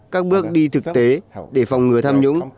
các bước đi thực tế để phòng ngừa tham nhũng